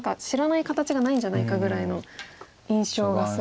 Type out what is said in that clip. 知らない形がないんじゃないかぐらいの印象が。